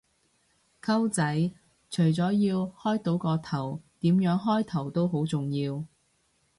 溝仔，除咗要開到個頭，點樣開頭都好重要